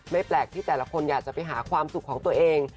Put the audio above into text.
แปลกที่แต่ละคนอยากจะไปหาความสุขของตัวเอง